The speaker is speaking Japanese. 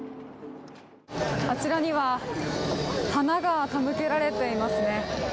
あちらには花が手向けられていますね。